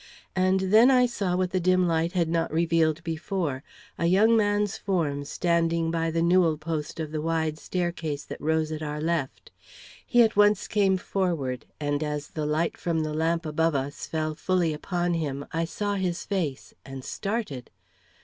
And then I saw what the dim light had not revealed before, a young man's form standing by the newel post of the wide staircase that rose at our left. He at once came forward, and as the light from the lamp above us fell fully upon him, I saw his face, and started.